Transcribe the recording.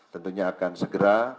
tentunya akan segera